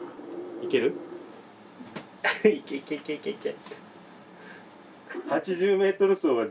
いけいけいけいけ！